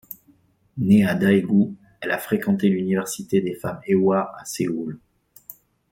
Née à Daegu, elle a fréquenté l'université des femmes Ewha à Séoul.